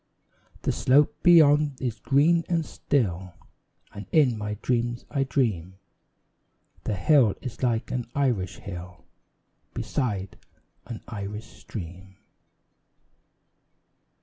The slope beyond is green and still, And in my dreams I dream The hill is like an Irish hill Beside an Irish stream.